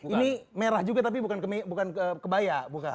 ini merah juga tapi bukan kebaya